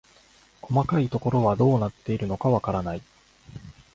細かいところはどうなっているのかわからない